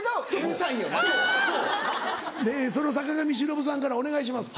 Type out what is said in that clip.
その坂上忍さんからお願いします。